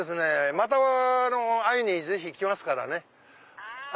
また会いにぜひ来ますからね。